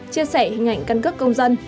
chia sẻ hình ảnh căn cước công dân